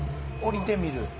下りてみる。